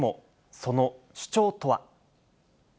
その主張とは。